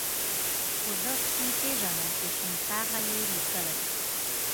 خو زه شپون پېژنم چې شين ټاغی یې لیکلی.